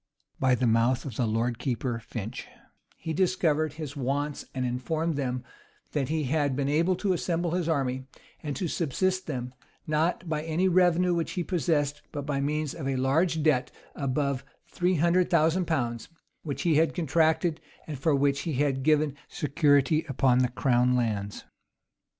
By the mouth of the lord keeper Finch, he discovered his wants, and informed them, that he had been able to assemble his army, and to subsist them, not by any revenue which he possessed, but by means of a large debt of above three hundred thousand pounds, which he had contracted, and for which he had given security upon the crown lands.